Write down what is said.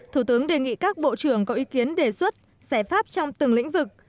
thủ tướng đề nghị các bộ trưởng có ý kiến đề xuất giải pháp trong từng lĩnh vực